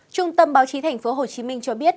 trung tâm báo chí tp hcm cho biết